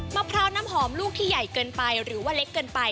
มะพร้าวน้ำหอมลูกที่ใหญ่เกินไปหรือว่าเล็กเกินไป